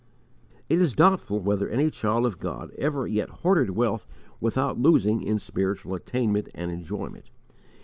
It is doubtful whether any child of God ever yet hoarded wealth without losing in spiritual attainment and enjoyment.